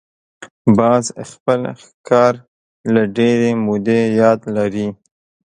باز خپل ښکار له ډېرې مودې یاد لري